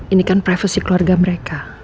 ini kan privasi keluarga mereka